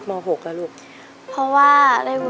ที่ได้เงินเพื่อจะเก็บเงินมาสร้างบ้านให้ดีกว่า